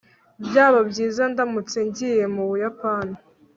byaba byiza ndamutse ngiye mu buyapani